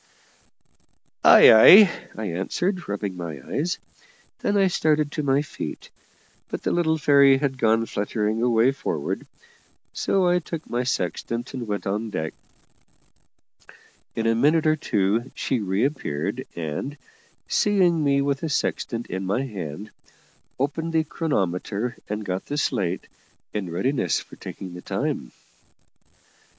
"Ay, ay," I answered, rubbing my eyes. Then I started to my feet, but the little fairy had gone fluttering away forward, so I took my sextant and went on deck. In a minute or two she reappeared, and, seeing me with the sextant in my hand, opened the chronometer and got the slate, in readiness for taking the time.